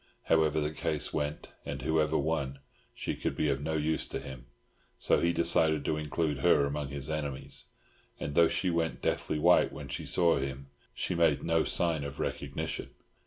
However the case went and whoever won, she could be of no use to him, so he decided to include her among his enemies; and though she went deathly white when she saw him she made no sign of recognition.